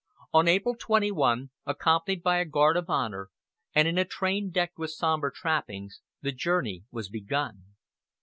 On April 21, accompanied by a guard of honor, and in a train decked with somber trappings, the journey was begun.